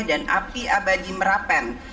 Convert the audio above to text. dan api abadi merapen